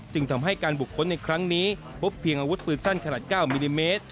จึงทำให้การบุคคลในครั้งนี้พบเพียงอาวุธปืนสั้นขนาด๙มิลลิเมตร